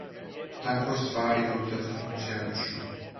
Тако ствари овде функционишу.